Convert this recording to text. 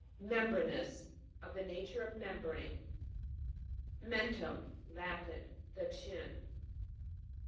MEM'BRANOUS. Of the nature of membrane. MEN'TUM. Latin. The chin.